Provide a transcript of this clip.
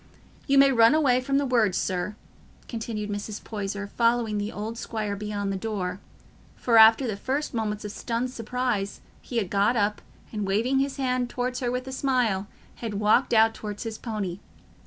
You may run away from my words, sir," continued Mrs. Poyser, following the old squire beyond the door—for after the first moments of stunned surprise he had got up, and, waving his hand towards her with a smile, had walked out towards his pony.